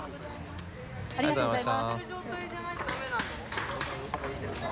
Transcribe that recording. ありがとうございます。